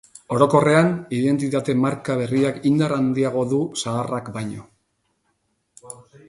Orokorrean, identitate marka berriak indar handiago du zaharrak baino.